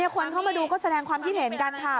คนเข้ามาดูก็แสดงความคิดเห็นกันค่ะ